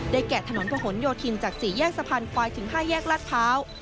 ได้แกะถนนประหลโยธินจาก๔แยกสะพันธุ์ไปถึง๕แยกลาดพร้าว